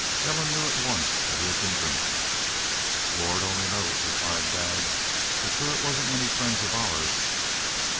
Ellen knew at once that he had been drinking. "Lord only knows," replied Daggs. "But shore it wasn't any friends of ours."